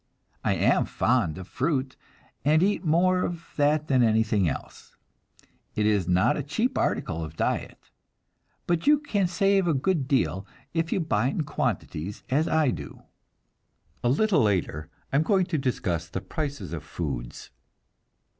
I am fond of fruit, and eat more of that than of anything else. It is not a cheap article of diet, but you can save a good deal if you buy it in quantities, as I do. A little later I am going to discuss the prices of foods.